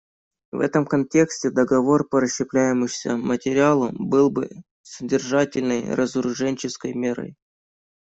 В этом контексте договор по расщепляющемуся материалу был бы содержательной разоруженческой мерой.